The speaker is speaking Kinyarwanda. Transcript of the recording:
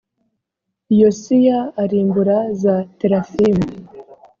yosiya arimbura za terafimu